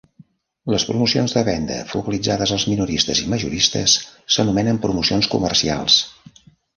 Les promocions de venda focalitzades als minoristes y majoristes s'anomenen promocions comercials.